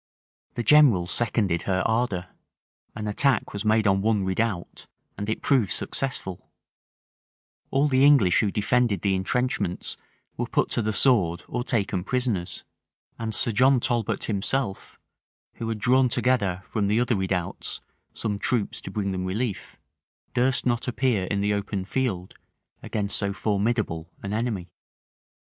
The generals seconded her ardor: an attack was made on one redoubt, and it proved successful:[*] all the English who defended the intrenchments were put to the sword or taken prisoners: and Sir John Talbot himself, who had drawn together, from the other redoubts, some troops to bring them relief, durst not appear in the open field against so formidable an enemy.